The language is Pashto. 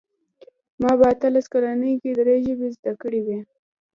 ما په اتلس کلنۍ کې درې ژبې زده کړې وې